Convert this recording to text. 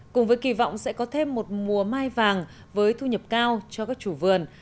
cùng với kỳ vọng sẽ có thêm một mùa mai vàng với thu nhập cao cho các chủ vườn